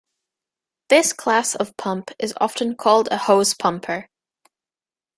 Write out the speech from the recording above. This class of pump is often called a 'hose pumper'.